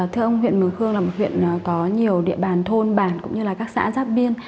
thưa ông huyện mường khương là một huyện có nhiều địa bàn thôn bản cũng như là các xã giáp biên